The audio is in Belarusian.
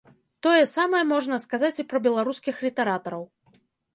Тое самае можна сказаць і пра беларускіх літаратараў.